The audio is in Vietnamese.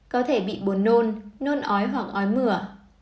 có thể bị buồn nôn nôn ói hoặc ói mửa